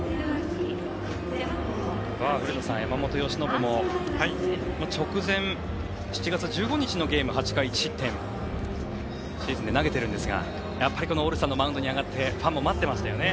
古田さん、山本由伸も直前７月１５日のゲーム８回１失点をシーズンで投げているんですがオールスターのマウンドファンも待ってましたよね。